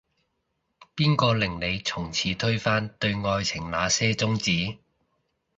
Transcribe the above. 邊個令你從此推翻，對愛情那些宗旨